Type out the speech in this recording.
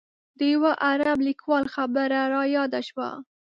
د یوه عرب لیکوال خبره رایاده شوه.